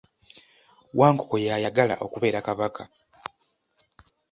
Wankoko yayagala okubeera kabaka.